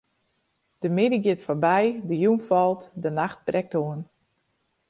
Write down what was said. De middei giet foarby, de jûn falt, de nacht brekt oan.